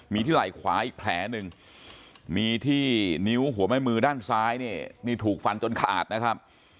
มีที่ไหล่ขวาอีกแผลหนึ่งมีที่นิ้วหัวแม่มือด้านซ้ายเนี่ยนี่ถูกฟันจนขาดนะครับ